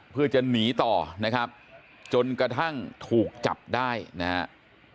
เพื่อจะหนีต่อนะครับจนกระทั่งถูกจับได้นะครับ